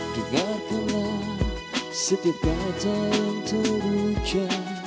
dengarkanlah setiap kata yang terbuka